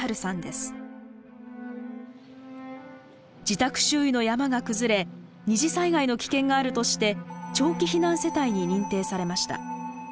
自宅周囲の山が崩れ二次災害の危険があるとして長期避難世帯に認定されました。